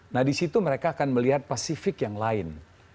nah disitu mereka akan melihat pasifik yang lain